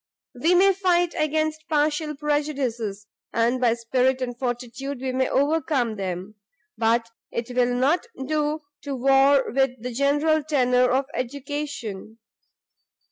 We may fight against partial prejudices, and by spirit and fortitude we may overcome them; but it will not do to war with the general tenor of education.